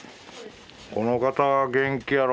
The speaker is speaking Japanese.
この方は元気やろ？